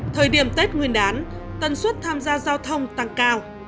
thời điểm tết nguyên đán tân suất tham gia giao thông tăng cao